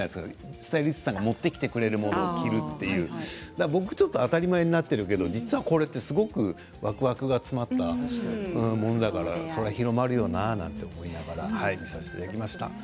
スタイリストさんが持ってきたものを着るっていう当たり前になっているけどこれは、すごくわくわくが詰まったものだからそれは広まるよななんて思いながら見させていただきました。